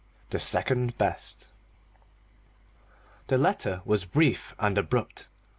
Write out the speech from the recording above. THE SECOND BEST THE letter was brief and abrupt.